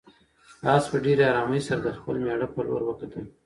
آس په ډېرې آرامۍ سره د خپل مېړه په لور وکتل.